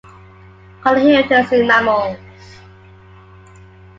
Color inheritance in mammals.